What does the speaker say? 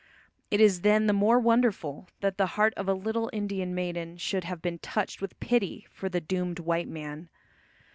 It is then the more wonderful that the heart of a little Indian maiden should have been touched with pity for the doomed white man.